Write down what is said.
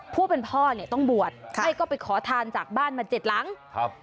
ผู้เป็นพ่อเนี่ยต้องบวชใช่ก็ไปขอทานจากบ้านมาเจ็ดหลังครับ